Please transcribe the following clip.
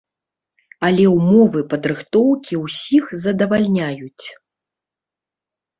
Але ўмовы падрыхтоўкі ўсіх задавальняюць.